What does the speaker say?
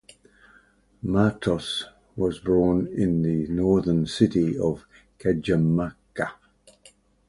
Martos was born in the northern city of Cajamarca.